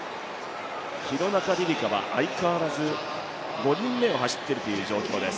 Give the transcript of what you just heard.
廣中璃梨佳は相変わらず５人目を走っているという状況です